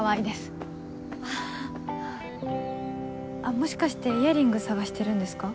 もしかしてイヤリング捜してるんですか？